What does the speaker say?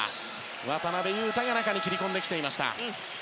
渡邊雄太が中に切り込んできていました。